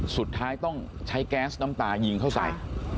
สุดท้ายต้องใช้แก๊สน้ำตายิงเข้าใส่